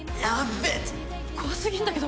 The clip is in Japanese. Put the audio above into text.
怖すぎんだけど！